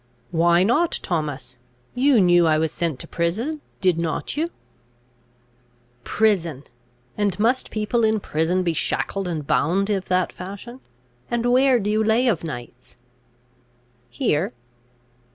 "Why not, Thomas? You knew I was sent to prison, did not you?" "Prison! and must people in prison be shackled and bound of that fashion? and where do you lay of nights?" "Here."